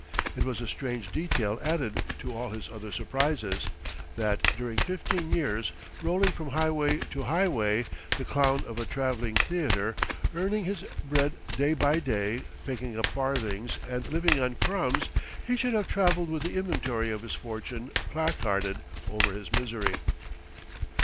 It was a strange detail added to all his other surprises, that, during fifteen years, rolling from highway to highway, the clown of a travelling theatre, earning his bread day by day, picking up farthings, and living on crumbs, he should have travelled with the inventory of his fortune placarded over his misery.